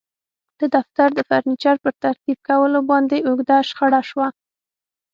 د دفتر د فرنیچر په ترتیب کولو باندې اوږده شخړه شوه